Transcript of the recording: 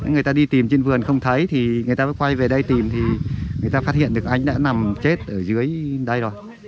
người ta đi tìm trên vườn không thấy thì người ta mới quay về đây tìm thì người ta phát hiện được anh đã nằm chết ở dưới đây rồi